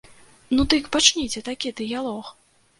Ну дык пачніце такі дыялог!